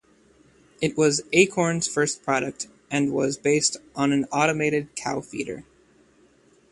It was Acorn's first product, and was based on an automated cow feeder.